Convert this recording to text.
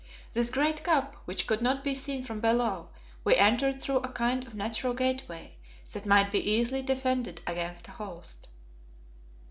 This great cup, which could not be seen from below, we entered through a kind of natural gateway, that might be easily defended against a host.